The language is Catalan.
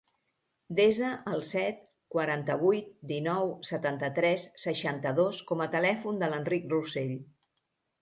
Desa el set, quaranta-vuit, dinou, setanta-tres, seixanta-dos com a telèfon de l'Enric Rossell.